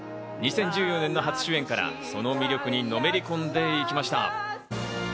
２０１４年の初主演からその魅力にのめり込んでいきました。